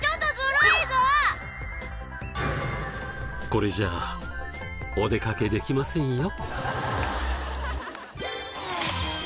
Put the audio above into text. これじゃあお出かけできませんよ。